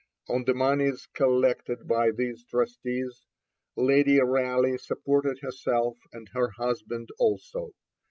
On the moneys collected by these trustees Lady Raleigh supported herself and her husband also.